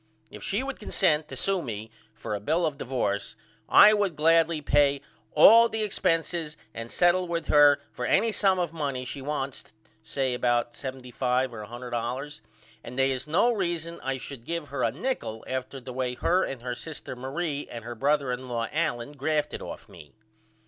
If she would consent to sew me for a bill of divorce I would gladly pay all the expenses and settle with her for any sum of money she wants say about $75.00 or $100.00 and they is no reason I should give her a nichol after the way her and her sister Marie and her brother in law Allen grafted off of me.